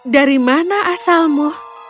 dari mana asalmu